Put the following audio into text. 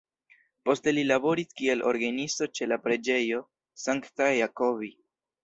Poste li laboris kiel orgenisto ĉe la preĝejo St.-Jacobi.